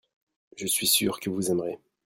je suis sûr que vous aimerez.